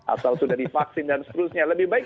asal sudah divaksin dan seterusnya lebih baik